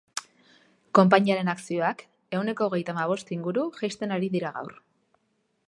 Konpainiaren akzioak ehuneko hogeita hamabost inguru jaisten ari dira gaur.